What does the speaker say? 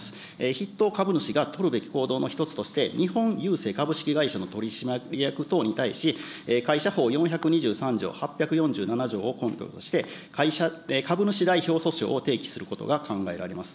筆頭株主が取るべき行動の一つとして、日本郵政株式会社の取締役等に対し、会社法４２３条８４７条を根拠として、株主代表訴訟を提起することが考えられます。